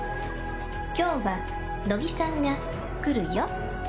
今日は乃木さんが来るよ。